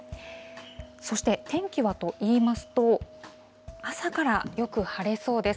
そして天気はといいますと、朝からよく晴れそうです。